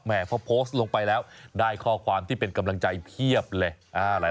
พอโพสต์ลงไปแล้วได้ข้อความที่เป็นกำลังใจเพียบเลย